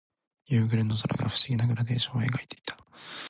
夕暮れの空が不思議なグラデーションを描いていた。